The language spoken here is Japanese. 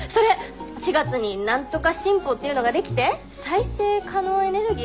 ４月に何とか新法っていうのが出来て再生可能エネルギー？